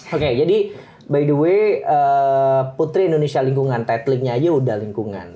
oke jadi by the way putri indonesia lingkungan tetlingnya aja udah lingkungan